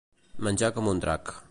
Menjar com un drac.